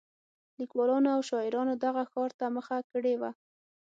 لیکوالانو او شاعرانو دغه ښار ته مخه کړې وه.